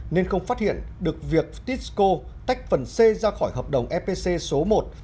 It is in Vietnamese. nên không phát hiện được việc tisco tách phần c ra khỏi hợp đồng fpc số một